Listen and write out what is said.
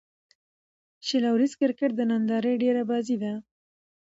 شل اووريز کرکټ د نندارې ډېره بازي ده.